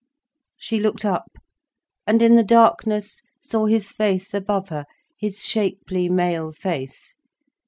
She looked up, and in the darkness saw his face above her, his shapely, male face.